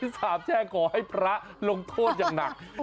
สาบแช่งขอให้พระลงโทษอย่างหนัก